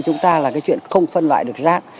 chúng ta là cái chuyện không phân loại được rác